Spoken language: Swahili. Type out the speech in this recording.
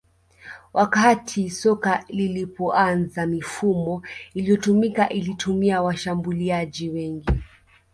Wakati soka lilipoanza mifumo iliyotumika ilitumia washambuliaji wengi